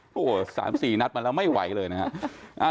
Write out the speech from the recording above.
โอ้โห๓๔นัดมาแล้วไม่ไหวเลยนะครับ